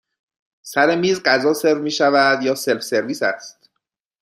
سر میز غذا سرو می شود یا سلف سرویس هست؟